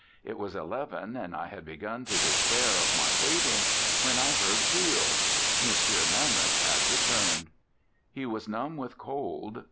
It was eleven, and I had begun to despair of my waiting, when I heard wheels. M. Melmoth had returned. He was numb with cold.